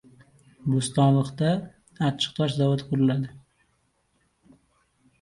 Bo‘stonlikda achchiqtosh zavodi quriladi, deya, emish-emish oralab qoldi.